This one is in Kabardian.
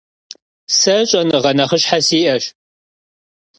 Se ş'enığe nexhışhe si'eş.